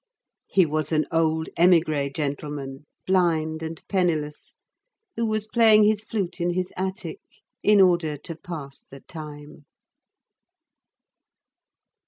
He was an old émigré gentleman, blind and penniless, who was playing his flute in his attic, in order to pass the time.